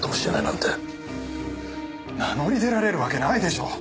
名乗り出られるわけないでしょう。